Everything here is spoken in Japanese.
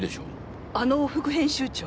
あの副編集長？